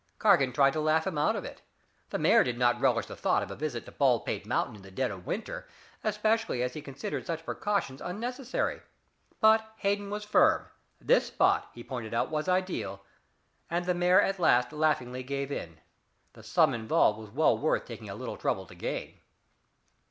Cargan tried to laugh him out of it. The mayor did not relish the thought of a visit to Baldpate Mountain in the dead of winter, particularly as he considered such precautions unnecessary. But Hayden was firm; this spot, he pointed out, was ideal, and the mayor at last laughingly gave in. The sum involved was well worth taking a little trouble to gain."